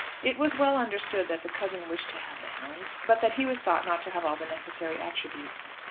It was well understood that the cousin wished to have the hounds, but that he was thought not to have all the necessary attributes.